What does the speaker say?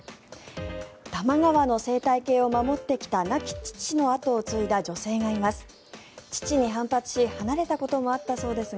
多摩川の生態系を守ってきた亡き父の後を継いだ女性がいます。